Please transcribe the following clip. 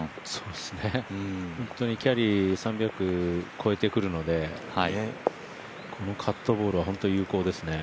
本当にキャリー３００超えてくるのでこのカットボールは本当に有効ですね。